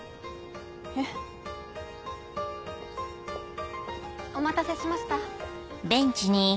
えっ？お待たせしました。